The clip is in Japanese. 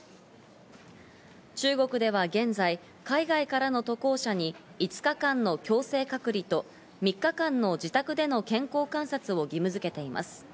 中国では現在、海外からの渡航者に５日間の強制隔離と３日間の自宅での健康観察を義務づけています。